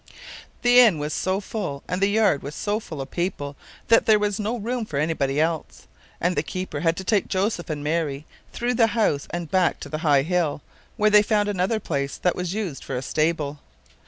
The inn was so full and the yard was so full of people that there was no room for anybody else, and the keeper had to take Joseph and Mary through the house and back to the high hill, where they found another place that was used for a stable.